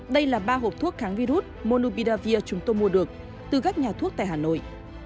đây là ba hộp thuốc kháng virus monubidavir chúng tôi mua được từ các nhà thuốc tại hà nội